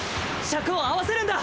シャクを合わせるんだ！